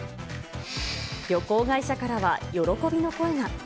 旅行会社からは喜びの声が。